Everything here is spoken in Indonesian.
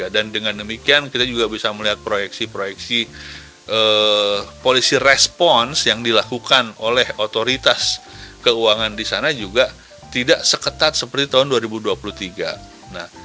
dan dengan demikian kita juga bisa melihat proyeksi proyeksi polisi respons yang dilakukan oleh otoritas keuangan di sana juga tidak seketat seperti tahun dua ribu dua puluh tiga